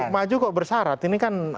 maju kok bersarat ini kan